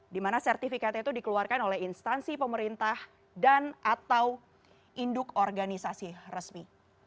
di mana sertifikatnya itu dikeluarkan oleh instansi pemerintah dan atau induk organisasi resmi